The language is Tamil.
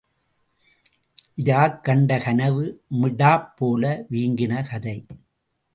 இராக் கண்ட கனவு மிடாப் போல வீங்கின கதை.